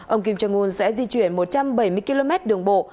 ông kim jong un sẽ di chuyển một trăm bảy mươi km đường bộ